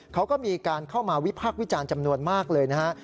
เขาก็มีการเข้ามาวิพากษ์วิจารณ์จำนวนมากเลยนะฮะ